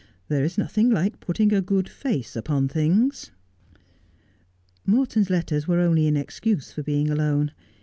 'There is nothing like putting a good face upon things.' Morton's letters were only an excuse for being alone.